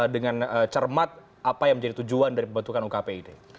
dengan cermat apa yang menjadi tujuan dari pembentukan ukp ini